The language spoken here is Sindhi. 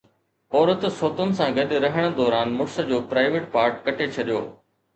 عورت سوتن سان گڏ رهڻ دوران مڙس جو پرائيويٽ پارٽ ڪٽي ڇڏيو